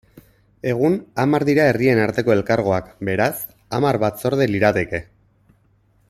Egun hamar dira herrien arteko elkargoak, beraz, hamar batzorde lirateke.